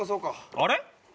あれ？